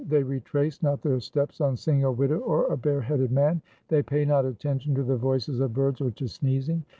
They retrace not their steps on seeing a widow or a bare headed man. They pay not attention to the voices of birds or to sneezing.